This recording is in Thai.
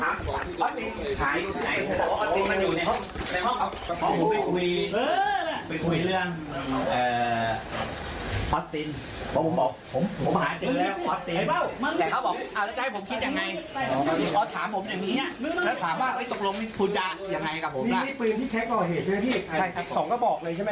อัศวินภาษาวิทยาลัยอัศวินภาษาวิทยาลัยอัศวินภาษาวิทยาลัย